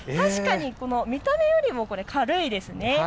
見た目よりも軽いですね。